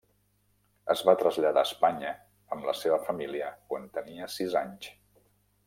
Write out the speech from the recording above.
Es va traslladar a Espanya amb la seva família quan tenia sis anys.